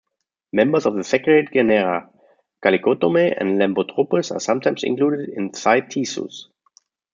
Members of the segregate genera, "Calicotome" and "Lembotropis" are sometimes included in "Cytisus".